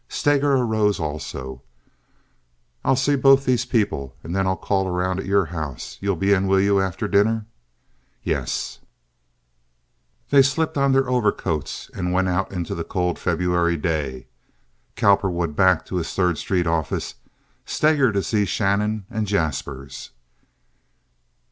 Steger arose also. "I'll see both these people, and then I'll call around at your house. You'll be in, will you, after dinner?" "Yes." They slipped on their overcoats and went out into the cold February day, Cowperwood back to his Third Street office, Steger to see Shannon and Jaspers.